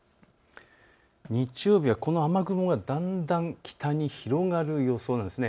日曜日はこの雨雲がだんだん北に広がる予想なんです。